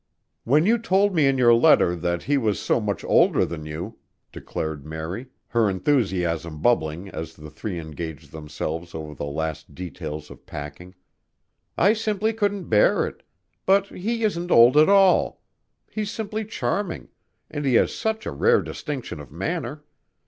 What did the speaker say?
"When you told me in your letter that he was so much older than you," declared Mary, her enthusiasm bubbling as the three engaged themselves over the last details of packing, "I simply couldn't bear it, but he isn't old at all. He's simply charming, and he has such a rare distinction of manner.